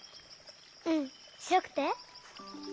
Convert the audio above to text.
うんしろくて？